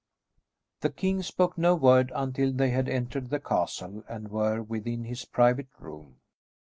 The king spoke no word until they had entered the castle and were within his private room.